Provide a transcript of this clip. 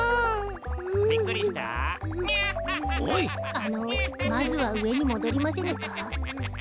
あのまずは上に戻りませぬか。